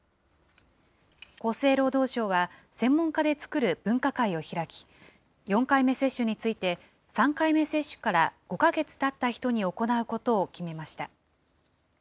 厚生労働省は専門家で作る分科会を開き、４回目接種について、３回目接種から５か月たった人に行うことを決めました。